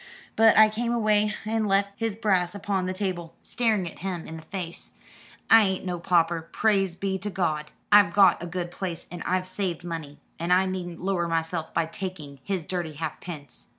But I came away and left his brass upon the table, staring at him in the face. I ain't no pauper, praise be to God! I've had a good place and I've saved money: and I needn't lower myself by taking his dirty half pence."